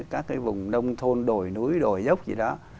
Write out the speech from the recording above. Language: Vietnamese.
các cái vùng nông thôn đổi núi đổi dốc gì đó